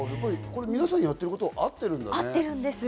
皆さん、やってることはあってるんだね。